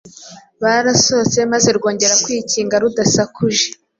Barasohotse maze rwongera kwikinga rudasakuje.